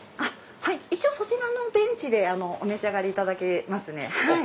一応そちらのベンチでお召し上がりいただけますね。